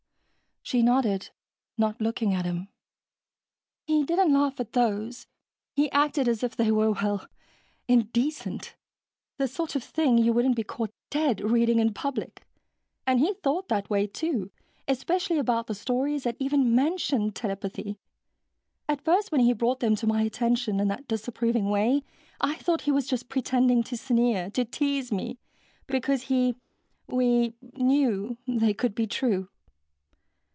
She nodded, not looking at him. "He didn't laugh at those. He acted as if they were ... well, indecent. The sort of thing you wouldn't be caught dead reading in public. And he thought that way, too, especially about the stories that even mentioned telepathy. At first, when he brought them to my attention in that disapproving way, I thought he was just pretending to sneer, to tease me, because he we knew they could be true.